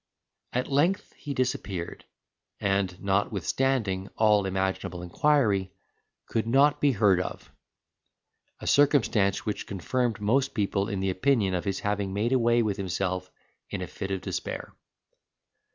At length he disappeared, and, notwithstanding all imaginable inquiry, could not be heard of; a circumstance which confirmed most people in the opinion of his having made away with himself in a fit of despair.